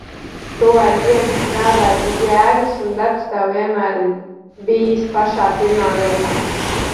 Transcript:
Tu aizvien strādāji bez jēgas un darbs Tev vienmēr ir bijis pašā pirmā vietā.